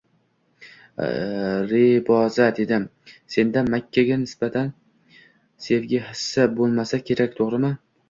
Reboza, dedim, senda Makka nisbatan sevgi hissi bo`lmasa kerak, to`g`rimi